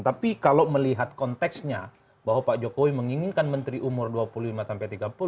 tapi kalau melihat konteksnya bahwa pak jokowi menginginkan menteri umur dua puluh lima sampai tiga puluh